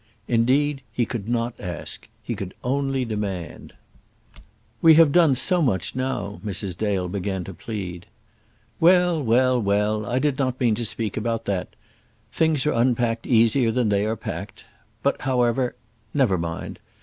Indeed, he could not ask; he could only demand. "We have done so much now," Mrs. Dale began to plead. "Well, well, well. I did not mean to speak about that. Things are unpacked easier than they are packed. But, however Never mind.